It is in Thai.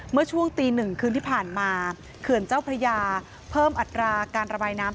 เมื่อช่วงตีหนึ่งคืนที่ผ่านมาเขื่อนเจ้าพระยาเพิ่มอัตราการระบายน้ำ